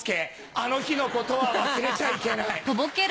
あの日の事は忘れちゃいけない。